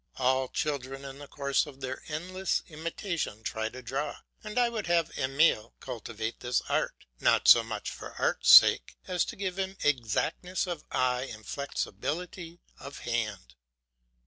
All children in the course of their endless imitation try to draw; and I would have Emile cultivate this art; not so much for art's sake, as to give him exactness of eye and flexibility of hand.